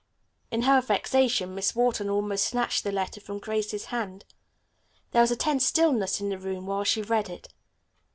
In her vexation Miss Wharton almost snatched the letter from Grace's hand. There was a tense stillness in the room while she read it.